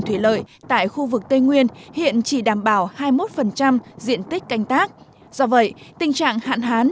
thủy lợi tại khu vực tây nguyên hiện chỉ đảm bảo hai mươi một diện tích canh tác do vậy tình trạng hạn hán